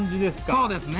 そうですね。